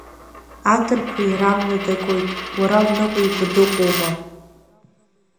Аҭырқәа иара амла дагоит, уара уныҟәиго дыҟоума!